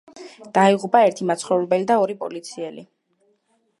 დაიღუპა ერთი მაცხოვრებელი და ორი პოლიციელი.